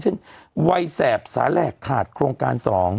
เช่นวัยแสบสาแหลกขาดโครงการ๒